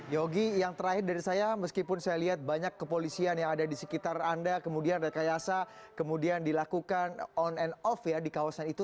yogi yang terakhir dari saya meskipun saya lihat banyak kepolisian yang ada di sekitar anda kemudian rekayasa kemudian dilakukan on and off ya di kawasan itu